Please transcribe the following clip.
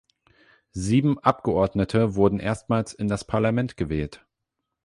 Sieben Abgeordnete wurden erstmals in das Parlament gewählt.